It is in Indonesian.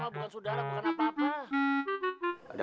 oh bukan sudah lakukan apa apa